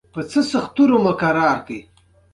دلته مې زړه تنګ شو